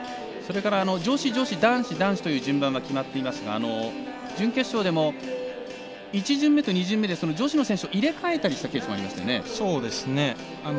それから女子、女子男子、男子という順番は決まっていますが準決勝でも１順目、２順目で女子の選手を入れ替えたりしたケースもありましたよね。